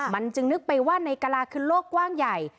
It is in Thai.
มันจึงนึกไปว่าในกะลาคือโลกกว้างใหญ่